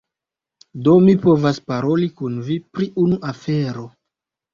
Do, mi volas paroli kun vi pri unu afero